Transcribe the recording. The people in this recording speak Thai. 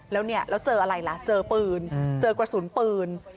แล้วเจออะไรล่ะเจอปืนเจอกระสุนปืน